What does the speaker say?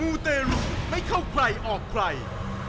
ูเตรุไม่เข้าใครออกใคร